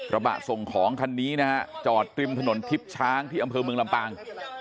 ระบะส่งของคันนี้นะฮะจอดริมถนนทิพย์ช้างที่อำเภอเมืองลำปาง